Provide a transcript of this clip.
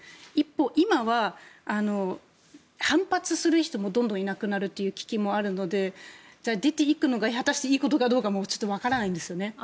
一方、今は反発する人もどんどんいなくなるという危機もあるので出ていくのが果たしていいことかどうかもちょっとわからないんですね。